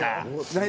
何？